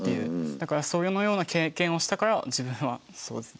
だからそれのような経験をしたから自分はそうですね。